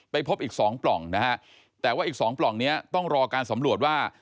พบอีก๒ปล่องนะฮะแต่ว่าอีก๒ปล่องนี้ต้องรอการสำรวจว่า